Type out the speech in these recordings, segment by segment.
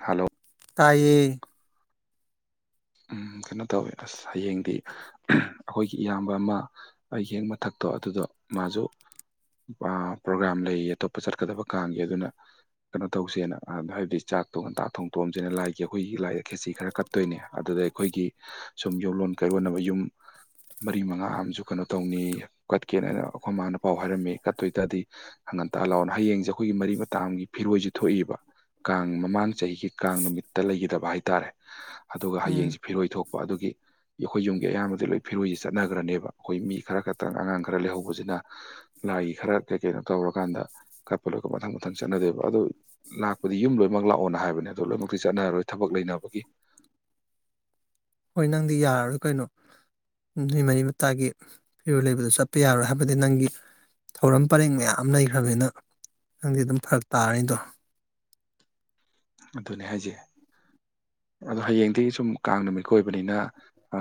hello ꯇꯥꯏꯌꯦ ꯎꯝ ꯀꯩꯅꯣ ꯇꯧꯋꯦ ꯑꯁ ꯍꯌꯦꯡꯗꯤ ꯑꯩꯈꯣꯏꯒꯤ ꯏꯌꯥꯝꯕ ꯑꯃꯥ ꯑꯩꯒꯤ ꯍꯦꯛ ꯃꯊꯛꯇꯣ ꯑꯗꯨꯗꯣ ꯃꯥꯁꯨ ꯃꯥ ꯄ꯭ꯔꯣꯒꯥ꯭ꯔꯥꯝ ꯂꯩꯌꯦ ꯑꯇꯣꯞꯄ ꯆꯠꯀꯗꯕ ꯀꯥꯡꯒꯤ ꯑꯗꯨꯅ ꯀꯩꯅꯣ ꯇꯧꯁꯦꯅ ꯑꯥꯏꯁ ꯍꯥꯏꯕꯗꯤ ꯆꯥꯛꯇꯣ ꯉꯟꯇꯥ ꯊꯣꯡꯇꯣꯑꯝꯁꯤꯅ ꯂꯥꯏꯒꯤ ꯑꯩꯈꯣꯏꯒꯤ ꯂꯥꯏꯗ ꯈꯦꯆꯤ ꯈꯔ ꯀꯠꯇꯣꯏꯅꯦ ꯑꯗꯨꯗ ꯑꯩꯈꯣꯏꯒꯤ ꯁꯨꯝ ꯌꯨꯝꯂꯣꯟ ꯀꯥꯏꯒꯣꯟꯅꯕ ꯌꯨꯝ ꯃꯔꯤ ꯃꯉꯥ ꯑꯃꯁꯝꯨ ꯀꯩꯅꯣ ꯇꯧꯅꯤ ꯀꯠꯀꯦꯅ ꯑꯩꯈꯣꯏ ꯃꯥꯅ ꯄꯥꯎ ꯍꯥꯏꯔꯝꯃꯦ ꯀꯠꯇꯣꯏ ꯇꯥꯗꯤ ꯉꯟꯇꯥꯂꯥꯎꯅ ꯍꯌꯦꯡꯁꯦ ꯑꯩꯈꯣꯏꯒꯤ ꯃꯔꯤ ꯃꯇꯥꯒꯤ ꯐꯤꯔꯣꯏꯁꯨ ꯊꯣꯛꯏꯕ ꯀꯥꯡ ꯃꯃꯥꯡ ꯆꯥꯍꯤꯒꯤ ꯀꯥꯡ ꯅꯨꯃꯤꯠꯇ ꯂꯩꯈꯤꯗꯕ ꯍꯥꯏꯇꯥꯔꯦ ꯑꯗꯨꯒ ꯎꯝ ꯍꯌꯦꯡꯁꯤ ꯐꯤꯔꯣꯏ ꯊꯣꯛꯄ ꯑꯗꯨꯒꯤ ꯑꯩꯈꯣꯏ ꯌꯨꯝꯒꯤ ꯑꯌꯥꯝꯕꯗꯤ ꯂꯣꯏ ꯐꯤꯔꯣꯏꯁꯤ ꯆꯠꯅꯈ꯭ꯔꯅꯦꯕ ꯑꯩꯈꯣꯏ ꯃꯤ ꯈꯔ ꯈꯛꯇ꯭ꯔ ꯑꯉꯥꯡ ꯈꯔ ꯂꯩꯍꯧꯕꯁꯤꯅ ꯂꯥꯏꯒꯤ ꯈꯔ ꯀꯩ ꯀꯩꯅꯣ ꯇꯧꯔꯀꯥꯟꯗ ꯀꯠꯄ ꯂꯣꯏ ꯃꯊꯪ ꯃꯊꯪ ꯆꯠꯅꯗꯣꯕ ꯑꯗꯨ ꯂꯥꯛꯄꯗꯤ ꯌꯨꯝ ꯂꯣꯏꯃꯛ ꯂꯥꯛꯑꯣꯅ ꯍꯥꯏꯕꯅꯦ ꯑꯗꯣ ꯂꯣꯏꯟꯃꯛꯇꯤ ꯆꯠꯅꯔꯔꯣꯏ ꯊꯕꯛ ꯂꯩꯅꯕꯒꯤ ꯍꯣꯏ ꯅꯪꯗꯤ ꯌꯥꯔꯔꯣꯏ ꯀꯩꯅꯣ ꯅꯨꯣꯏ ꯃꯔꯤ ꯃꯇꯥꯒꯤ ꯐꯤꯔꯣꯏꯜ ꯂꯩꯕꯗꯨ ꯆꯠꯄ ꯌꯥꯔꯣꯏ ꯍꯥꯏꯕꯗꯤ ꯅꯪꯒꯤ ꯊꯧꯔꯝ ꯄꯔꯦꯡ ꯃꯌꯥꯝ ꯂꯩꯈ꯭ꯔꯕꯅꯤꯅ ꯅꯪꯗꯤ ꯑꯗꯨꯝ ꯐꯔꯛ ꯇꯥꯔꯅꯤꯗꯣ ꯑꯗꯨꯅꯦ ꯍꯥꯏꯁꯩ ꯑꯗꯣ ꯍꯌꯦꯡꯗꯤ ꯁꯨꯝ ꯀꯥꯡ ꯅꯨꯃꯤꯠꯀꯥ ꯑꯣꯏꯕꯅꯤꯅ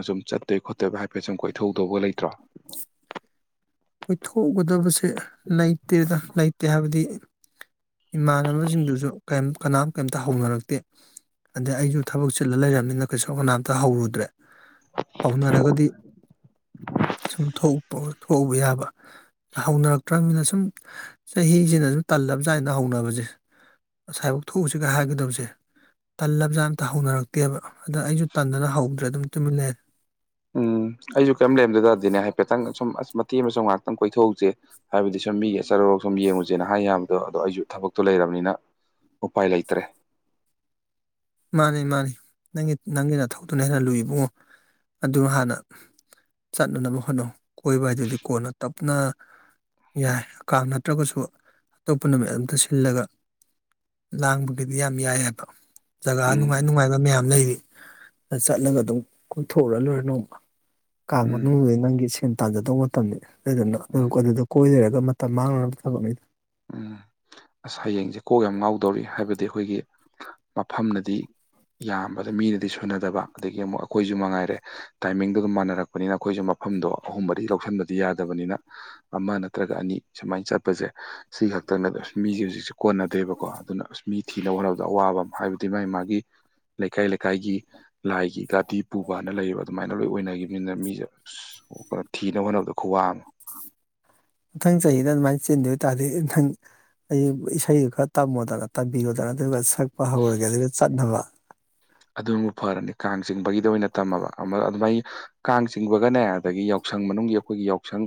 ꯁꯨꯝ ꯆꯠꯇꯣꯏ ꯈꯣꯠꯇꯕ ꯍꯥꯏꯐꯦꯠ ꯁꯨꯝ ꯀꯣꯏꯊꯣꯛꯍꯧꯗꯧꯒꯥ ꯂꯩꯇ꯭ꯔꯣ ꯀꯣꯏꯊꯣꯛꯎꯒꯗꯕꯁꯦ ꯂꯩꯇꯦꯗ ꯂꯩꯇꯦ ꯍꯥꯏꯕꯗꯤ ꯏꯃꯥꯟꯅꯕꯁꯤꯡꯗꯨꯁꯨ ꯀꯩꯝ ꯀꯅꯥꯝ ꯀꯩꯝꯇ ꯍꯧꯅꯔꯛꯇꯦ ꯑꯗꯩ ꯑꯩꯁꯨ ꯊꯕꯛ ꯆꯤꯜꯂ ꯂꯩꯔꯝꯅꯤꯅ ꯀꯩꯁꯨ ꯀꯅꯥꯝꯇ ꯍꯧꯔꯨꯗ꯭ꯔꯦ ꯍꯧꯅꯔꯒꯗꯤ ꯁꯨꯝ ꯊꯣꯛꯎꯕ ꯌꯥꯕ ꯍꯧꯅꯔꯛꯇ꯭ꯔꯝꯅꯤꯅ ꯁꯨꯝ ꯆꯍꯤꯁꯤꯅ ꯁꯨꯝ ꯇꯜꯂꯕꯖꯥꯅꯗꯥ ꯍꯧꯅꯥꯕꯁꯦ ꯑꯁꯥꯏꯕꯧ ꯊꯣꯛꯎꯁꯤꯒ ꯍꯥꯏꯒꯗꯕꯁꯦ ꯇꯜꯂꯕ ꯖꯥꯠ ꯑꯝꯇ ꯍꯧꯅꯔꯛꯇꯦꯕ ꯑꯗ ꯑꯩꯁꯨ ꯇꯟꯗꯅ ꯍꯧꯗ꯭ꯔꯦ ꯑꯗꯨꯝ ꯇꯨꯃꯤꯟꯂꯦ ꯎꯝ ꯑꯩꯁꯨ ꯀꯔꯤꯝ ꯂꯩꯔꯝꯗꯗꯥꯗꯤꯅꯦ ꯍꯥꯏꯐꯦꯠꯇꯪ ꯁꯨꯝ ꯑꯁ ꯃꯇꯦꯛ ꯑꯃꯁꯨꯡ ꯉꯥꯏꯍꯥꯛꯇꯪ ꯀꯣꯏꯊꯣꯛꯎꯁꯦ ꯍꯥꯏꯕꯗꯤ ꯁꯨꯝ ꯃꯤꯒꯤ ꯑꯆꯠ ꯑꯋꯣꯡ ꯁꯨꯝ ꯌꯦꯡꯉꯨꯁꯦꯅ ꯍꯥꯏ ꯌꯥꯕꯗꯣ ꯑꯗꯣ ꯑꯩꯁꯨ ꯊꯕꯛꯇꯣ ꯂꯩꯔꯕꯅꯤꯅ ꯎꯄꯥꯏ ꯂꯩꯇ꯭ꯔꯦ ꯃꯥꯅꯤ ꯃꯥꯅꯤ ꯅꯪꯒꯤ ꯅꯪꯒꯤ ꯅꯊꯧꯗꯨꯅꯥ ꯍꯦꯟꯅ ꯂꯨꯏꯕꯨꯡꯉꯣ ꯑꯗꯨ ꯍꯥꯟꯅ ꯆꯠꯅꯅꯕ ꯍꯣꯠꯅꯧ ꯀꯣꯏꯕ ꯍꯥꯏꯗꯨꯗꯤ ꯀꯣꯟꯅ ꯇꯞꯅ ꯌꯥꯏ ꯀꯥꯡ ꯅꯠꯇ꯭ꯔꯒꯁꯨ ꯑꯇꯣꯞꯄ ꯅꯨꯃꯤꯠ ꯑꯝꯇ ꯁꯤꯜꯂꯒ ꯂꯥꯡꯕꯒꯤꯗꯤ ꯌꯥꯝ ꯌꯥꯏꯍꯥꯏꯕ ꯖꯒꯥ ꯎꯝ ꯅꯨꯡꯉꯥꯏ ꯅꯨꯡꯉꯥꯏꯕ ꯃꯌꯥꯝ ꯂꯩꯔꯤ ꯗ ꯆꯠꯂꯒ ꯑꯗꯨꯝ ꯀꯣꯏꯊꯣꯛꯎꯔ ꯂꯣꯏꯔꯦ ꯅꯣꯡꯃꯥ ꯀꯥꯡ ꯎꯝ ꯃꯅꯨꯡꯗꯤ ꯅꯪꯒꯤ ꯁꯦꯟ ꯇꯥꯟꯖꯗꯧ ꯃꯇꯝꯅꯤ ꯎꯝ ꯑꯗꯨꯗꯨꯅ [unintelligible] ꯀꯣꯏ ꯂꯩꯔꯒ ꯃꯇꯝ ꯃꯥꯡꯅꯕ ꯊꯕꯛꯅꯤꯗ ꯎꯝ ꯑꯥꯁ ꯍꯌꯦꯡꯁꯦ ꯀꯣꯛ ꯌꯥꯝ ꯉꯥꯎꯗꯧꯔꯤ ꯍꯥꯏꯕꯗꯤ ꯑꯩꯈꯣꯏꯒꯤ ꯃꯐꯝꯅꯗꯤ ꯌꯥꯝꯕꯗꯣ ꯃꯤꯅꯗꯤ ꯁꯨꯅꯗꯕ ꯑꯗꯒꯤ ꯑꯃꯨꯛ ꯑꯩꯈꯣꯏꯁꯨꯃꯉꯥꯏꯔꯦ ꯇꯥꯏꯃꯤꯡꯗꯣ ꯑꯗꯨꯝ ꯃꯥꯟꯅꯔꯛ ꯄꯅꯤꯅ ꯑꯩꯈꯣꯏꯁꯨ ꯃꯐꯝꯗꯣ ꯑꯍꯨꯝ ꯃꯔꯤ ꯂꯧꯁꯟꯕꯗꯤ ꯌꯥꯗꯕꯅꯤꯅ ꯑꯃ ꯅꯠꯇ꯭ꯔꯒ ꯑꯅꯤ ꯁꯨꯃꯥꯏꯟ ꯆꯠꯄꯁꯦ ꯁꯤ ꯈꯛꯇꯅꯦꯕ ꯑꯁ ꯃꯤꯁꯦ ꯍꯧꯖꯤꯛꯁꯦ ꯀꯣꯟꯅꯗꯦꯕꯀꯣ ꯑꯗꯨꯅ ꯑꯁ ꯃꯤ ꯊꯤꯅꯕ ꯍꯣꯠꯅꯕꯗ ꯑꯋꯥꯕ ꯑꯃ ꯍꯥꯏꯕꯗꯤ ꯃꯥꯒꯤ ꯃꯥꯒꯤ ꯂꯩꯀꯥꯏ ꯂꯩꯀꯥꯏꯒꯤ ꯂꯥꯏꯒꯤ ꯒꯥꯥꯙꯤ ꯄꯨꯕꯅ ꯂꯩꯔꯤꯕ ꯑꯗꯨꯃꯥꯏꯅ ꯂꯣꯏ ꯑꯣꯏꯅꯈꯤꯕꯅꯤꯅ ꯃꯤꯁꯦ ꯑꯁ ꯀꯣ ꯊꯤꯅꯕ ꯍꯣꯠꯅꯕꯗꯣ ꯈꯨꯋꯥꯡ ꯑꯃ ꯃꯊꯪ ꯆꯍꯤꯗ ꯑꯗꯨꯃꯥꯏꯅ ꯆꯦꯟꯗꯕ ꯇꯥꯔꯗꯤ ꯅꯊꯪ ꯑꯩ ꯏꯁꯩꯗꯨ ꯈꯔ ꯇꯝꯃꯣꯗꯅ ꯇꯥꯕꯤꯔꯣꯗꯅ ꯑꯗꯨꯒ ꯁꯛꯄ ꯍꯧꯔꯒꯦ ꯑꯗꯨꯒ ꯆꯠꯅꯕ ꯑꯗꯨꯕꯨ ꯐꯔꯅꯤ ꯀꯥꯡ ꯆꯤꯡꯕꯒꯤꯗ ꯑꯣꯏꯅ ꯇꯝꯃꯕ ꯑꯃ ꯑꯗꯨꯃꯥꯏ ꯀꯥꯡ ꯆꯤꯡꯕꯒꯅꯦ ꯑꯗꯒꯤ ꯌꯥꯎꯁꯪ ꯃꯅꯨꯡꯒꯤ ꯑꯩꯈꯣꯏꯒꯤ ꯌꯥꯎꯁꯪ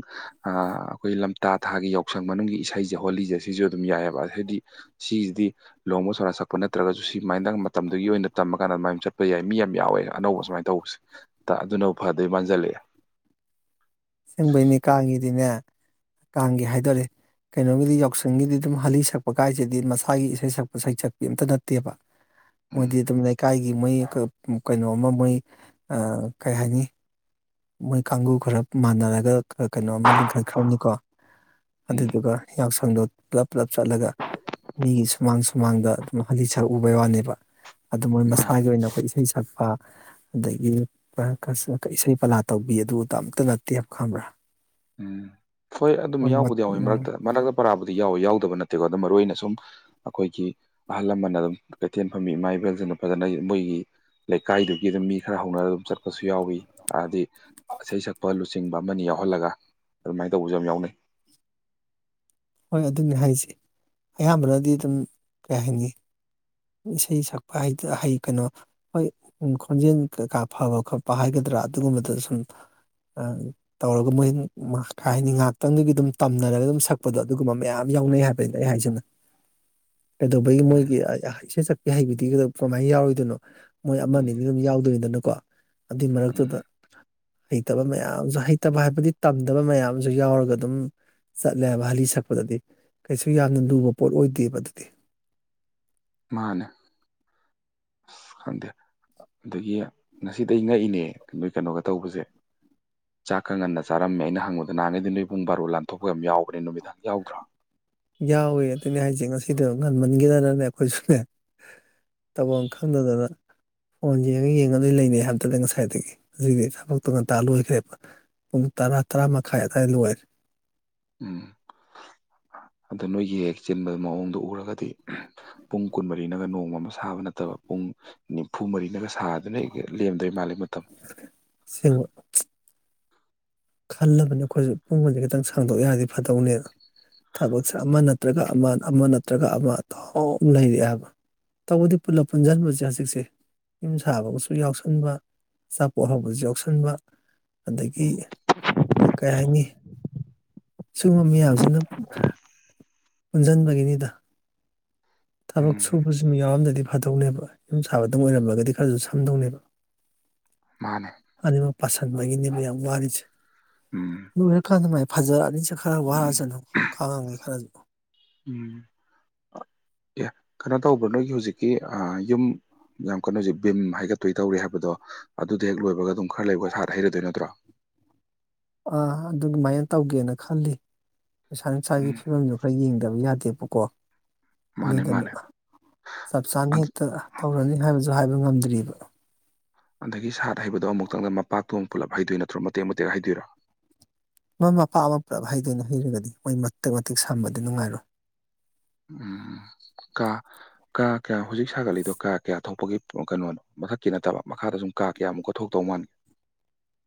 ꯑꯩꯈꯣꯏ ꯂꯝꯇꯥ ꯊꯥꯒꯤ ꯌꯥꯎꯁꯪ ꯃꯅꯨꯡꯒꯤ ꯏꯁꯩꯖꯦ ꯍꯣꯜꯂꯤꯖꯁꯦ ꯁꯤꯁꯨ ꯑꯗꯨꯝ ꯌꯥꯏꯑꯕ ꯍꯥꯏꯗꯤ ꯁꯤꯁꯤꯗꯤ ꯂꯨꯍꯣꯡꯕ ꯁꯣꯔ ꯁꯛꯄ ꯅꯠꯇ꯭ꯔꯒꯁꯨ ꯁꯤꯨꯃꯥꯏꯅꯗ ꯃꯇꯝꯗꯨꯒꯤ ꯑꯣꯏꯅ ꯇꯝ ꯀꯥꯟ ꯑꯗꯨꯃꯥꯏꯅ ꯆꯠꯄ ꯌꯥꯏ ꯃꯤ ꯌꯥꯝ ꯌꯥꯎꯋꯦ ꯑꯅꯧꯕ ꯁꯨꯃꯥꯏꯅ ꯇꯧꯕꯁꯦ ꯑꯗꯨꯅ ꯐꯗꯣꯏ ꯃꯥꯟꯁꯤꯜꯂꯛꯑꯦ ꯆꯦꯡꯕꯩꯅꯦ ꯀꯥꯡꯒꯤꯗꯤꯅꯦ ꯀꯥꯡꯒꯤ ꯍꯥꯏꯗꯣꯔ ꯀꯩꯅꯣꯒꯤꯗꯤ ꯌꯥꯎꯁꯪꯒꯤꯗꯤ ꯑꯗꯨꯝ ꯍꯥꯂꯤ ꯁꯛꯄ ꯀꯥꯏꯁꯤꯗꯤ ꯃꯁꯥꯒꯤ ꯏꯁꯩ ꯁꯛꯄ ꯁꯩꯁꯛ ꯄꯤ ꯑꯝꯇꯥ ꯅꯠꯇꯦꯕ ꯎꯝ ꯃꯣꯏꯗꯤ ꯑꯗꯨꯝ ꯂꯩꯀꯥꯏꯒꯤ ꯒꯤ ꯃꯣꯏ ꯀꯩꯅꯣ ꯑꯃꯥ ꯃꯣꯏ ꯑꯥ ꯀꯩ ꯍꯥꯏꯅꯤ ꯃꯣꯏ ꯀꯥꯡꯕꯨ ꯈꯔ ꯃꯥꯟꯅꯔꯒ ꯀꯩꯅꯣ ꯑꯃ ꯂꯤꯡꯈꯠꯈ꯭ꯔꯕꯅꯤꯀꯣ ꯎꯝ ꯑꯗꯨꯏꯗꯨꯒ ꯌꯥꯎꯁꯪꯗꯣ ꯄꯨꯂꯞ ꯄꯨꯂꯞ ꯆꯠꯂꯒ ꯃꯤꯒꯤ ꯁꯨꯃꯥꯡ ꯁꯨꯃꯥꯡꯗ ꯑꯗꯨꯝ ꯍꯂꯤ ꯁꯛꯎꯕꯩ ꯋꯥꯅꯦꯕ ꯑꯗꯨ ꯃꯣꯏ ꯃꯥ ꯃꯁꯥꯒꯤ ꯑꯣꯏꯅ ꯑꯩꯈꯣꯏ ꯏꯁꯩ ꯁꯛꯄ ꯑꯗꯒꯤ ꯏꯁꯩ ꯄꯂꯥꯠ ꯇꯧꯕꯤ ꯑꯗꯨꯕꯨ ꯑꯝꯇ ꯅꯠꯇꯦ ꯍꯥꯏꯕ ꯈꯪꯕ꯭ꯔꯥ ꯎꯝ ꯍꯣꯏ ꯑꯗꯨꯝ ꯃꯣꯏ ꯃꯠ ꯌꯥꯎꯕꯨꯗꯤ ꯌꯥꯎꯋꯤ ꯎꯝ ꯃꯔꯛꯇ ꯃꯔꯛꯇ ꯄꯔꯥꯕꯨꯗꯤ ꯌꯥꯎꯋꯤ ꯌꯥꯎꯗꯕ ꯅꯠꯇꯦꯀꯣ ꯑꯝ ꯃꯔꯨ ꯑꯣꯏꯅ ꯁꯨꯝ ꯑꯩꯈꯣꯏꯒꯤ ꯑꯍꯜ ꯂꯃꯟꯅ ꯑꯗꯨꯝ ꯀꯩꯊꯦꯜ ꯐꯝꯃꯤ ꯏꯃꯥ ꯏꯕꯦꯜꯁꯤꯡꯅ ꯐꯖꯅ ꯃꯣꯏꯒꯤ ꯂꯩꯀꯥꯏꯗꯨꯒꯤ ꯑꯗꯨꯝ ꯃꯤ ꯈꯔ ꯍꯧꯅꯔ ꯑꯗꯨꯝ ꯆꯠꯄꯁꯨ ꯌꯥꯎꯏꯤ ꯍꯥꯏꯗꯤ ꯏꯁꯩ ꯁꯛꯄ ꯂꯨꯆꯤꯡꯕ ꯑꯃꯅꯤ ꯌꯥꯎꯍꯜꯂꯒ ꯑꯗꯨꯃꯥꯏꯅ ꯇꯧꯕꯁꯨ ꯌꯥꯝ ꯌꯥꯎꯅꯩ ꯍꯣꯏ ꯑꯗꯨꯅꯤ ꯍꯥꯏꯁ ꯑꯌꯥꯝꯕꯅꯗꯤ ꯑꯗꯨꯝ ꯀꯩ ꯍꯥꯏꯅꯤ ꯏꯁꯩ ꯁꯛꯄ ꯍꯥꯏ ꯍꯩ ꯀꯩꯅꯣ ꯍꯣꯏ ꯎ ꯈꯣꯟꯖꯦꯜ ꯀꯩꯀꯥ ꯐꯕ ꯈꯣꯠꯄ ꯍꯥꯏꯒꯗ꯭ꯔꯥ ꯑꯗꯨꯒꯨꯝꯕꯗ ꯁꯨꯝ ꯇꯧꯔꯒ ꯃꯣꯏ ꯍꯥꯏ ꯍꯥꯏꯅꯤ ꯉꯥꯏꯍꯥꯛꯇꯪꯗꯒꯤ ꯑꯗꯨꯝ ꯇꯝꯅꯔꯒ ꯑꯗꯨꯝꯛ ꯗꯣ ꯑꯗꯨꯒꯨꯝꯕ ꯃꯌꯥꯝ ꯌꯥꯎꯅꯩ ꯍꯥꯏꯕꯅꯤꯅ ꯑꯩ ꯍꯥꯏꯖꯅ ꯀꯩꯗꯧꯕꯒꯤ ꯎꯝ ꯃꯣꯏꯒꯤ ꯏꯁꯩ ꯁ ꯏꯍꯩꯕꯤꯗꯤꯒꯗ ꯀꯔꯃꯥꯏꯅ ꯌꯥꯎꯔꯣꯏꯗꯅꯣ ꯃꯣꯏ ꯑꯃ ꯑꯗꯤ ꯑꯗꯨꯝ ꯌꯥꯎꯗꯣꯏꯗꯅꯀꯣ ꯑꯗꯨꯏ ꯎꯝ ꯃꯔꯛꯇꯨꯗ ꯍꯩꯇꯕ ꯃꯌꯥꯝꯁꯨ ꯍꯩꯇꯕ ꯍꯥꯏꯕꯗꯤ ꯇꯝꯗꯕ ꯃꯌꯥꯝꯁꯨ ꯌꯥꯎꯔꯒ ꯑꯗꯨꯝ ꯂꯕꯍꯂꯤ ꯁꯛꯄꯗꯗꯤ ꯀꯩꯁꯨ ꯌꯥꯝꯅ ꯂꯨꯕ ꯄꯣꯠ ꯑꯣꯏꯗꯦꯕ ꯑꯗꯨꯗꯤ ꯃꯥꯅꯦ ꯈꯗ ꯑꯗꯒꯤ ꯉꯁꯤꯗꯤ ꯑꯩ ꯉꯛꯏꯅꯦ ꯅꯣꯏ ꯀꯩꯅꯣꯒ ꯇꯧꯕꯁꯦ ꯆꯥꯛꯀ ꯉꯟꯅ ꯆꯥꯔꯝꯃꯦ ꯑꯩꯅ ꯍꯪꯕꯗ ꯅꯍꯥꯟꯉꯩ ꯑꯗꯨ ꯅꯣꯏ ꯄꯨꯡ ꯕꯥꯔꯣ ꯂꯥꯟꯊꯣꯛꯒ ꯌꯥꯝ ꯌꯥꯎꯕ꯭ꯔꯅꯤ ꯅꯨꯃꯤꯗꯥꯡ ꯌꯥꯎꯗ꯭ꯔꯣ ꯌꯥꯎꯏꯤ ꯑꯗꯨꯅꯦ ꯍꯥꯏꯁꯦ ꯉꯁꯤꯗꯣ ꯉꯟꯃꯟꯈꯤꯗꯅꯅꯦ ꯑꯩꯈꯣꯏꯁꯨꯅꯦ ꯇꯧꯐꯝ ꯈꯪꯗꯗꯅ ꯐꯣꯟ ꯌꯦꯡꯉꯒ ꯌꯦꯡꯉꯗꯣꯏ ꯂꯩꯅꯩ ꯍꯥꯏꯕꯗꯨꯗ ꯉꯁꯥꯏꯗꯒꯤ ꯍꯧꯖꯤꯗꯤ ꯊꯕꯛꯇꯣ ꯉꯟꯇꯥ ꯂꯣꯏꯈ꯭ꯔꯦꯕ ꯄꯨꯡ ꯇꯔꯥ ꯇꯔꯥ ꯃꯈꯥꯏ ꯑꯋꯥꯏ ꯂꯣꯏꯔꯦ ꯎꯝ ꯑꯗꯨꯗ ꯅꯣꯏꯒꯤ ꯍꯦꯛ ꯆꯤꯟꯕ ꯃꯑꯣꯡꯗꯨ ꯎꯔꯒꯗꯤ ꯄꯨꯡ ꯀꯨꯟꯃꯔꯤꯅꯒ ꯅꯣꯡꯃ ꯑꯃ ꯁꯥꯕ ꯅꯠꯇꯕ ꯄꯨꯡ ꯅꯤꯝꯐꯨ ꯃꯔꯤꯅꯒ ꯁꯥꯗꯅ ꯑꯩ ꯂꯦꯝꯗꯣꯏ ꯃꯥꯜꯜꯂꯤꯦ ꯃꯇꯝ ꯁꯤ ꯈꯜꯂꯕꯅꯦ ꯑꯩꯈꯣꯏꯁꯨ ꯄꯨꯡꯒꯣꯟꯁꯦ ꯈꯤꯇꯪ ꯁꯥꯡꯗꯣꯛ ꯌꯥꯔꯗꯤ ꯐꯗꯧꯅꯦꯅ ꯊꯕꯛꯁꯦ ꯑꯃ ꯅꯠꯇ꯭ꯔꯒ ꯑꯃ ꯑꯃ ꯅꯠꯇ꯭ꯔꯒ ꯑꯃ ꯇꯥꯎ ꯂꯩꯔꯛꯑꯦꯕ ꯇꯧꯕꯗꯤ ꯄꯨꯂ ꯄꯨꯟꯁꯤꯟꯕꯁꯦ ꯍꯧꯖꯤꯛꯁꯦ ꯌꯨꯝ ꯁꯥꯕꯒꯁꯨ ꯌꯥꯎꯁꯟꯕ ꯑꯆꯥꯄꯣꯠ ꯍꯧꯕꯁꯨ ꯌꯥꯎꯁꯟꯕ ꯑꯗꯒꯤ [unintelligible] ꯀꯩ ꯍꯥꯏꯅꯤ ꯁꯤꯒꯨꯝꯕ ꯃꯌꯥꯝꯁꯤꯅ ꯄꯨꯟꯁꯤꯟꯕꯒꯤꯅꯤꯗ ꯊꯕꯛ ꯎꯝ ꯁꯨꯕꯁꯤꯃ ꯌꯥꯎꯔꯝꯗꯗꯤ ꯐꯗꯧꯅꯦꯕ ꯌꯨꯝ ꯁꯥꯕꯗꯝ ꯑꯣꯏꯔꯝꯂꯒꯗꯤ ꯈꯔꯁꯨ ꯁꯝꯗꯧꯅꯦꯕ ꯃꯥꯅꯦ ꯑꯅꯤꯃꯛ ꯄꯥꯁꯟꯕꯒꯤꯅꯦꯕ ꯌꯥꯝ ꯋꯥꯔꯤꯁꯦ ꯎꯝ ꯂꯣꯏꯔꯀꯥꯟꯗ ꯃꯥꯏ ꯐꯖꯛꯑꯅꯤꯁꯦ ꯈꯔ ꯎꯝ ꯋꯥꯔꯁꯠꯅꯨ ꯈꯥꯡꯉꯒꯦ ꯈꯔꯖꯨ ꯎꯝ ꯑꯦ ꯀꯩꯅꯣ ꯇꯧꯕ꯭ꯔ ꯅꯣꯏꯒꯤ ꯍꯧꯖꯤꯛꯀꯤ ꯑ ꯌꯨꯝ ꯌꯥꯝ ꯀꯩꯅꯣꯁꯦ ꯚꯤꯝ ꯍꯩꯒꯠꯇꯣꯏ ꯇꯧꯔꯤ ꯍꯥꯏꯕꯗꯣ ꯑꯗꯨꯗꯣ ꯍꯦꯛ ꯂꯣꯏꯕꯒ ꯑꯗꯨꯝ ꯈꯔ ꯂꯩꯕ ꯁꯥꯠ ꯍꯩꯔꯗꯣꯏ ꯅꯠꯇ꯭ꯔꯣ ꯑꯥ ꯑꯗꯨꯃꯥꯏꯅ ꯇꯧꯒꯦꯅ ꯈꯜꯂꯤ ꯄꯩꯁꯥ ꯅꯨꯡꯁꯥꯒꯤ ꯎꯝ ꯐꯤꯕꯝꯗꯣ ꯈꯔ ꯌꯦꯡꯗꯕ ꯌꯥꯗꯦꯕꯀꯣ ꯃꯥꯅꯦ ꯑꯗꯨꯗꯅ ꯃꯥꯅꯦ ꯆꯞ ꯆꯥꯅ ꯍꯦꯛꯇ ꯇꯧꯔꯅꯤ ꯍꯥꯏꯕꯁꯨ ꯍꯥꯏꯕ ꯉꯝꯗ꯭ꯔꯤꯕ ꯑꯗꯒꯤ ꯁꯥꯠ ꯍꯩꯕꯗꯣ ꯑꯃꯨꯛꯇꯪꯗ ꯃꯄꯥꯛꯇꯣꯡ ꯄꯨꯂꯞ ꯍꯩꯗꯣꯏ ꯅꯠꯇ꯭ꯔꯣ ꯃꯇꯦꯛ ꯃꯇꯦꯛ ꯍꯩꯗꯣꯏꯔꯣ ꯃꯃꯥ ꯃꯄꯥ ꯑꯃ ꯄꯨꯂꯞ ꯍꯩꯗꯣꯏꯅ ꯍꯩꯔꯒꯗꯤ ꯃꯣꯏ ꯃꯇꯤꯦꯛ ꯃꯇꯤꯦꯛ ꯁꯝꯕꯗꯤ ꯅꯨꯡꯉꯥꯏꯔꯣꯏ ꯎꯝ ꯀꯥ ꯀꯥ ꯀꯌꯥ ꯍꯧꯖꯤꯛ ꯁꯥꯒꯠꯂꯤꯏꯗꯣ ꯀꯥ ꯀꯌꯥ ꯊꯣꯛꯄꯒꯤ ꯀꯩꯅꯣꯅꯣ ꯃꯊꯛꯀꯤ ꯅꯠꯇꯕ ꯃꯈꯥꯗ ꯁꯨꯝ ꯀꯥ ꯀꯌꯥꯃꯨꯛ ꯀꯣꯊꯣꯛꯇꯧ ꯃꯥꯥꯟꯜꯂꯤꯒꯦ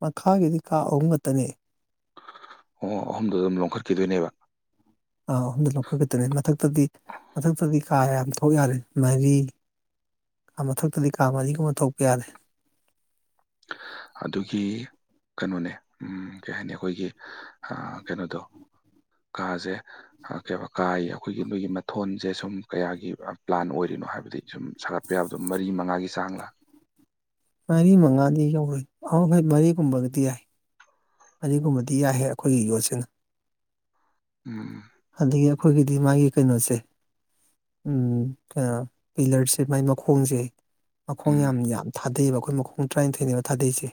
ꯃꯈꯥꯒꯤꯗꯤ ꯀꯥ ꯑꯍꯨꯝ ꯈꯛꯇꯅꯤ ꯑꯣ ꯑꯍꯨꯝꯗꯨꯗ ꯑꯗꯨꯝ ꯂꯧꯈꯠꯈꯤꯗꯣꯏꯅꯦꯕ ꯑꯍꯨꯝꯗ ꯂꯧꯈꯠꯀꯗ꯭ꯔꯦ ꯃꯊꯛꯇꯗꯤ ꯃꯊꯛꯇꯗꯤ ꯀꯥ ꯌꯥꯝ ꯊꯣꯛ ꯌꯥꯔꯦ ꯃꯔꯤ ꯃꯊꯛꯇꯗꯤ ꯀꯥ ꯑꯅꯤꯒꯨꯝꯕ ꯊꯣꯛꯄ ꯌꯥꯗꯦ ꯑꯗꯨꯒꯤ ꯀꯩꯅꯣꯅꯦ ꯎꯝ ꯀꯩ ꯍꯥꯏꯅꯤ ꯑꯩꯈꯣꯏꯒꯤ ꯑ ꯀꯩꯅꯣꯗꯣ ꯀꯥꯖꯦ ꯑ ꯀꯩꯕ ꯀꯥꯒꯤ ꯑꯩꯈꯣꯏꯒꯤ ꯅꯣꯏꯒꯤ ꯃꯊꯣꯟꯖꯦ ꯁꯨꯝ ꯀꯌꯥꯒꯤ ꯄ꯭ꯂꯥꯟ ꯑꯣꯏꯔꯤꯅꯣ ꯍꯥꯏꯕꯗꯤ ꯁꯨꯝ ꯁꯥꯒꯠ ꯄ ꯌꯥꯕꯗꯣ ꯃꯔꯤ ꯃꯉꯥꯒꯤ ꯆꯥꯡ ꯂꯥ ꯃꯔꯤ ꯃꯉꯥꯗꯤ ꯌꯧꯔꯣꯏ ꯑ ꯍꯣꯏ ꯃꯔꯤꯒꯨꯝꯕꯒꯗꯤ ꯌꯥꯏ ꯑꯅꯤꯒꯨꯝꯕꯗꯤ ꯌꯥꯏꯍꯦ ꯑꯩꯈꯣꯏꯒꯤ ꯌꯣꯠꯁꯤꯅ ꯎꯝ ꯑꯗꯒꯤ ꯑꯩꯈꯣꯏꯒꯤꯗꯤ ꯃꯥꯒꯤ ꯀꯩꯅꯣꯁꯦ ꯎꯝ ꯑ ꯄꯤꯂꯔꯁꯦ ꯃꯥꯏ ꯃꯈꯣꯡꯖꯦ ꯃꯈꯣꯡ ꯎꯝ ꯌꯥꯝ ꯌꯥꯝ ꯊꯥꯗꯩꯕ ꯑꯩꯈꯣꯏ ꯃꯈꯣꯡ ꯇꯔꯥꯅꯤꯊꯣꯏꯅꯦꯕ ꯊꯥꯗꯩꯁꯦ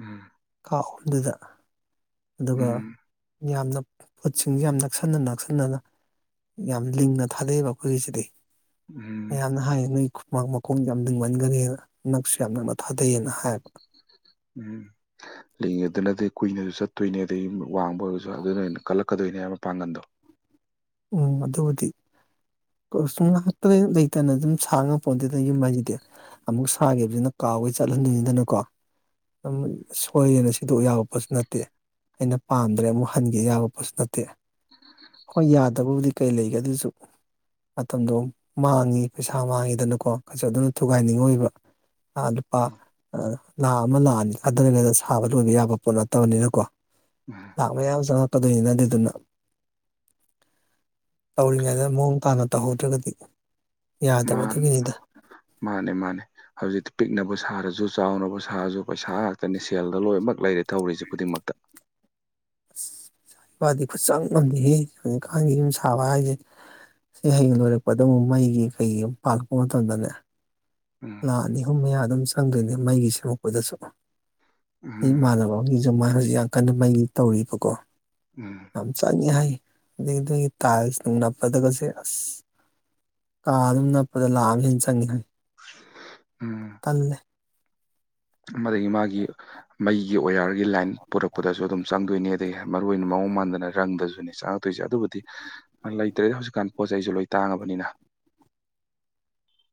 ꯎꯝ ꯀꯥ ꯑꯍꯨꯝꯗꯨꯗ ꯑꯗꯨꯒ ꯎꯝ ꯌꯥꯝꯅ ꯄꯣꯠꯁꯤꯡ ꯌꯥꯝ ꯅꯛꯁꯟꯅꯅ ꯁꯟꯅꯅ ꯌꯥꯝ ꯂꯤꯡꯅ ꯊꯥꯗꯩꯑꯕ ꯑꯩꯈꯣꯏꯒꯤꯁꯤꯗꯤ ꯎꯝ ꯃꯌꯥꯝꯅ ꯍꯥꯏꯅꯦ ꯅꯣꯏ ꯈꯨꯃꯥꯡ ꯃꯈꯣꯡ ꯌꯥꯝ ꯂꯤꯡꯃꯟꯒꯔꯦꯅ ꯅꯛꯁꯨ ꯌꯥꯝ ꯅꯛꯅ ꯊꯥꯗꯩꯑꯅ ꯍꯥꯏꯕ ꯎꯝ ꯂꯤꯡꯉꯤ ꯗꯨꯅꯗꯤ ꯀꯨꯏꯅꯁꯨ ꯆꯠꯇꯣꯏꯅꯦ ꯑꯗꯩ ꯋꯥꯡꯕ ꯑꯣꯏꯔꯁꯨ ꯑꯗꯨꯅ ꯍꯦꯟꯅ ꯀꯜꯂꯛꯀꯗꯣꯏꯅꯦ ꯍꯥꯏꯕ ꯃꯄꯥꯡꯒꯟꯗꯣ ꯎꯝ ꯑꯗꯨꯕꯨꯗꯤ ꯁꯨꯝ ꯉꯍꯥꯛꯇ ꯂꯩꯇꯅ ꯑꯗꯨꯝ ꯁꯥ ꯉꯝꯄꯣꯠꯇꯦꯗꯅ ꯌꯨꯝ ꯍꯥꯏꯁꯤꯗꯤ ꯑꯃꯨꯛ ꯁꯥꯒꯤꯕꯁꯤꯅ ꯀꯥꯎꯒꯩ ꯆꯠꯍꯟꯗꯣꯏꯅꯤꯗꯅꯀꯣ ꯑꯗꯨꯝ ꯁꯣꯏꯌꯦꯅ ꯁꯤꯗꯣꯛꯎ ꯌꯥꯕꯄꯣꯠꯁꯨ ꯅꯠꯇꯦ ꯑꯩꯅ ꯄꯥꯝꯗ꯭ꯔꯦ ꯑꯃꯨꯛ ꯍꯟꯒꯦ ꯌꯥꯕ ꯄꯣꯠꯁꯨ ꯅꯠꯇꯦ ꯍꯣꯏ ꯌꯥ ꯗꯕꯨꯗꯤ ꯀꯩ ꯂꯩꯒꯦ ꯑꯗꯨꯏꯁꯨ ꯃꯇꯝꯗꯣ ꯃꯥꯡꯉꯤ ꯄꯩꯁꯥ ꯃꯥꯡꯉꯤꯗꯅꯀꯣ ꯀꯁꯨ ꯑꯗꯨꯅ ꯊꯨꯒꯥꯏꯅꯤꯡꯉꯣꯏꯕ ꯑꯥ ꯂꯨꯄꯥ ꯂꯥꯛ ꯑꯃ ꯂꯥꯛ ꯑꯅꯤ ꯊꯥꯗꯔꯒ ꯁꯥꯕꯗ ꯂꯣꯏꯕ ꯌꯥꯕ ꯄꯣꯠ ꯅꯠꯇꯕꯅꯤꯅꯀꯣ ꯎꯝ ꯂꯥꯛ ꯃꯌꯥꯝ ꯆꯪꯉꯛꯀꯗꯣꯏꯅꯤꯅ ꯑꯗꯨꯗꯨꯅ ꯇꯧꯔꯤꯉꯩꯗ ꯃꯑꯣꯡ ꯇꯥꯅ ꯇꯧꯍꯧꯗ꯭ꯔꯒꯗꯤ ꯌꯥꯗꯕ ꯃꯥꯟ ꯑꯗꯨꯒꯤꯅꯤꯗ ꯃꯥꯅꯦ ꯃꯥꯅꯦ ꯍꯧꯖꯤꯛꯇꯤ ꯄꯤꯛꯅꯕꯨ ꯁꯥꯔꯖꯨ ꯆꯥꯎꯅꯕꯨ ꯁꯥꯥꯔꯖꯨ ꯄꯩꯁꯥ ꯉꯥꯛꯇꯅꯤ ꯁꯦꯜꯗ ꯂꯣꯏꯃꯛ ꯂꯩꯔꯦ ꯇꯧꯔꯤꯁꯤ ꯈꯨꯗꯤꯡꯃꯛꯇ ꯋꯥꯗꯤ ꯈꯨꯠꯆꯡ ꯑꯝꯅꯤꯍꯦ ꯍꯧꯖꯤꯛꯀꯥꯟꯒꯤ ꯌꯨꯝ ꯁꯥꯕ ꯍꯥꯏꯖꯦ ꯁꯤ ꯍꯌꯦꯡ ꯂꯣꯏꯔꯛꯄꯗ ꯑꯃꯨꯛ ꯃꯩꯒꯤ ꯀꯩꯒꯤ ꯄꯥꯜꯔꯛꯄ ꯃꯇꯝꯗꯅꯦ ꯎꯝ ꯂꯥꯛ ꯑꯅꯤ ꯑꯍꯨꯝ ꯃꯌꯥ ꯑꯗꯨꯝ ꯆꯪꯗꯣꯏꯅꯦ ꯃꯩꯒꯤ ꯁꯦꯝꯃꯛꯄꯗꯁꯨ ꯑꯩ ꯎꯝ ꯏꯃꯥꯟꯅꯕ ꯒꯤꯖꯨ ꯃꯥ ꯍꯧꯖꯤꯛ ꯌꯥꯝ ꯀꯟꯅ ꯃꯩꯒꯤ ꯇꯧꯔꯤꯕꯀꯣ ꯎꯝ ꯌꯥꯝ ꯆꯪꯅꯤ ꯍꯥꯏ ꯑꯗꯒꯤ ꯑꯗꯨꯒꯤ ꯇꯥꯏꯜꯁ ꯅꯨꯡ ꯅꯞꯄꯗꯒꯁꯦ ꯑꯁ ꯀꯥ ꯑꯗꯨꯝ ꯅꯞꯄꯗ ꯂꯥꯛꯑ ꯍꯦꯟꯅ ꯆꯪꯉꯦꯅꯪ ꯎꯝ ꯀꯜꯂꯦ ꯃꯗꯒꯤ ꯃꯥꯒꯤ ꯃꯩꯒꯤ ꯑꯣꯌꯥꯔꯒꯤ ꯂꯥꯏꯟ ꯄꯨꯔꯛꯄꯗꯁꯨ ꯑꯗꯨꯝ ꯆꯪꯗꯣꯏꯅꯤ ꯑꯗꯒꯤ ꯃꯔꯨ ꯑꯣꯏꯅ ꯃꯑꯣꯡ ꯃꯥꯟꯗꯅ ꯔꯪꯗꯁꯨꯅꯤ ꯆꯪ ꯇ ꯇꯣꯏꯁꯦ ꯑꯗꯨꯕꯨꯗꯤ ꯂꯩꯇ꯭ꯔꯦꯗꯤ ꯍꯧꯖꯤꯛꯀꯥꯟ ꯄꯣꯠ ꯆꯩꯁꯨ ꯂꯣꯏ ꯇꯥꯡꯉꯕꯅꯤꯅ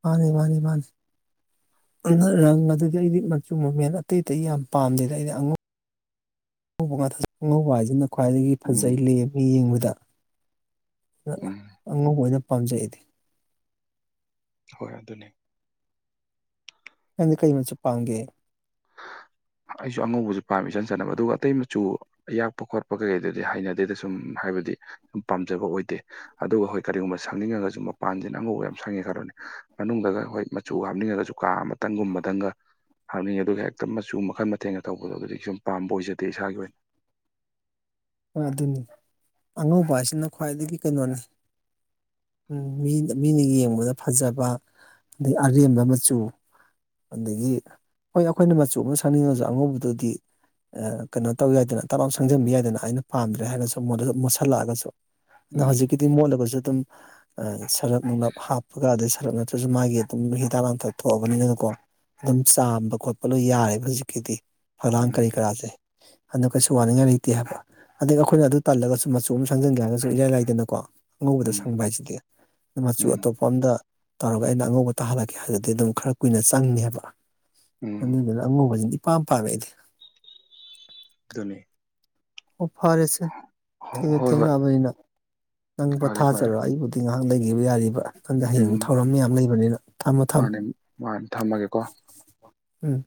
ꯃꯥꯅꯤ ꯃꯥꯅꯤ ꯃꯥꯅꯤ ꯔꯪ ꯑꯗꯨꯗꯤ ꯑꯩꯗꯤ ꯃꯆꯨ ꯃꯃꯦꯟ ꯑꯇꯩ ꯑꯇꯩ ꯌꯥꯝ ꯄꯥꯝꯗꯦꯗ ꯑꯩꯗꯤ ꯑꯉꯧ ꯑꯉꯧꯕ ꯉꯥꯇ ꯑꯉꯧꯕ ꯍꯥꯏꯁꯤꯅ ꯈ꯭ꯋꯥꯏꯗꯒꯤ ꯎꯝ ꯐꯖꯩ ꯂꯩꯝꯃꯤ ꯌꯦꯡꯕꯗ ꯎꯝ ꯑꯉꯧꯕ ꯑꯣꯏꯅ ꯄꯥꯝꯖꯩꯩ ꯑꯩꯗꯤ ꯍꯣꯏ ꯑꯗꯨꯅꯦ ꯅꯪꯗꯤ ꯀꯩ ꯃꯆꯨ ꯄꯥꯝꯒꯦ ꯑꯩꯖꯨ ꯑꯉꯧꯕꯖꯦ ꯄꯥꯝꯃꯦ ꯏꯆꯟ ꯆꯟꯅꯕ ꯑꯗꯨꯒ ꯑꯇꯩ ꯃꯆꯨ ꯑꯌꯥꯛꯄ ꯈꯣꯠꯄ ꯀꯩꯀꯩꯗꯨꯗꯤ ꯍꯩꯅꯗꯦꯗ ꯁꯨꯝ ꯍꯥꯏꯕꯗꯤ ꯁꯨꯝ ꯄꯥꯝꯖꯕ ꯑꯣꯏꯗꯦ ꯑꯗꯨꯒ ꯍꯣꯏ ꯀꯔꯤꯒꯨꯝꯕ ꯁꯪꯅꯤꯡꯉꯒꯁꯨ ꯃꯄꯥꯟꯁꯤꯅ ꯑꯉꯧꯕ ꯌꯥꯝ ꯁꯪꯉꯦ ꯈꯔꯣꯅꯦ ꯃꯅꯨꯡꯗꯒ ꯍꯣꯏ ꯃꯆꯨ ꯍꯥꯞꯅꯤꯡꯉꯒꯁꯨ ꯀꯥ ꯑꯃꯇꯪꯒꯨꯝꯕꯇꯪꯒ ꯍꯥꯞꯅꯤꯡꯉꯦ ꯑꯗꯨꯒ ꯍꯦꯛꯇ ꯃꯆꯨ ꯃꯈꯜ ꯃꯊꯦꯡꯅ ꯇꯧꯕꯗꯣ ꯑꯗꯨꯗꯤ ꯁꯨꯝ ꯄꯥꯝꯕ ꯑꯣꯏꯖꯗꯦ ꯏꯁꯥꯒꯤ ꯑꯣꯏꯅ ꯍꯣꯏ ꯑꯗꯨꯅꯤ ꯑꯉꯧꯕ ꯍꯥꯏꯁꯤꯅ ꯈ꯭ꯋꯥꯏꯗꯒꯤ ꯀꯩꯅꯣꯅꯤ ꯎ ꯃꯤꯅ ꯃꯤꯅ ꯌꯦꯡꯕꯗ ꯐꯖꯕ ꯑꯗꯩ ꯑꯔꯦꯝꯕ ꯃꯆꯨ ꯑꯗꯒꯤ ꯍꯣꯏ ꯑꯩꯈꯣꯏꯅ ꯃꯆꯨ ꯑꯃ ꯁꯪꯅꯤꯡꯉꯁꯨ ꯑꯉꯧꯕꯗꯗꯤ ꯀꯩꯅꯣ ꯇꯧꯋꯤ ꯍꯥꯏꯗꯅ ꯇꯔꯥꯝ ꯁꯪꯖꯟꯕꯤ ꯌꯥꯏꯗꯅ ꯑꯩꯅ ꯄꯥꯝꯗ꯭ꯔꯦ ꯍꯥꯏꯔꯒꯁꯨ ꯃꯣꯟꯗꯁꯨ ꯃꯨꯠꯁꯤꯜꯂꯛꯑꯒꯁꯨ ꯑꯗꯨꯅ ꯎꯝ ꯍꯧꯖꯤꯛꯀꯤꯗꯤ ꯃꯣꯂꯒꯁꯨ ꯑꯗꯨꯝ ꯁꯔꯞ ꯅꯨꯡꯂꯞ ꯍꯥꯞꯄꯒ ꯑꯗꯩ ꯁꯔꯞ ꯅꯠꯇ꯭ꯔꯁꯨ ꯃꯥꯒꯤ ꯑꯗꯨꯝ ꯍꯤꯗꯥꯛ ꯂꯥꯡꯊꯛ ꯊꯣꯛꯑꯕꯅꯤꯅ ꯀꯣ ꯑꯗꯨꯝ ꯆꯥꯝꯕ ꯈꯣꯠꯄ ꯂꯣꯏ ꯌꯥꯔꯦꯕ ꯍꯧꯖꯤꯛꯀꯤꯗꯤ ꯍꯂꯥꯡ ꯀꯔꯤ ꯎꯝ ꯀꯔꯥꯁꯦ ꯑꯗꯣ ꯀꯩꯁꯨ ꯋꯥꯅꯤꯡꯉꯥꯏ ꯂꯩꯇꯦ ꯍꯥꯏꯕ ꯑꯗꯗꯒꯤ ꯑꯩꯈꯣꯏꯅ ꯑꯗꯨ ꯇꯜꯂꯒꯁꯨ ꯃꯆꯨ ꯑꯃ ꯁꯪꯖꯟꯒꯦ ꯍꯥꯏꯔꯒꯁꯨ ꯏꯔꯥꯏ ꯂꯥꯏꯗꯅꯀꯣ ꯑꯉꯧꯕꯗ ꯎꯝ ꯁꯪꯕ ꯍꯥꯏꯁꯤꯗꯤ ꯃꯆꯨ ꯎꯝ ꯑꯇꯣꯞꯄ ꯃꯝꯗ ꯇꯧꯔꯒ ꯑꯩꯅ ꯑꯉꯧꯕ ꯇꯥꯍꯜꯂꯛꯀꯦ ꯍꯥꯏꯗꯨꯗꯤ ꯑꯗꯨꯝ ꯈꯔ ꯀꯨꯏꯅ ꯆꯪꯅꯤꯕ ꯎꯝ ꯑꯗꯨꯗꯨꯅ ꯑꯉꯧꯕꯁꯤꯡꯗꯤ ꯏꯄꯥꯝ ꯄꯥꯔꯏꯗꯤ ꯑꯗꯨꯅꯦ ꯑꯣ ꯐꯔꯦ ꯁꯦ ꯍꯣ ꯊꯦꯡꯨ ꯍꯣꯏ ꯍꯣꯏ ꯊꯦꯡꯉꯛꯑꯕꯅꯤꯅ ꯅꯪ ꯐꯔꯦ ꯐꯔꯦ ꯄꯣꯊꯥꯖꯔꯣ ꯑꯩꯕꯨꯗꯣ ꯑ ꯉꯥꯏꯍꯥꯡ ꯂꯩꯈꯤꯕ ꯌꯥꯔꯤꯕ ꯍꯟꯗ ꯍꯌꯦꯡ ꯎꯝ ꯊꯧꯔꯝ ꯃꯌꯥꯝ ꯂꯩꯕꯅꯤꯅ ꯊꯝꯃ ꯊꯝꯃ ꯃꯥꯅꯦ ꯃꯥꯅꯦ ꯊꯝꯃꯒꯦꯀꯣ ꯎꯝ